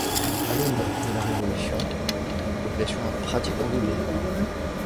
À l’aube de la Révolution, la population a pratiquement doublé.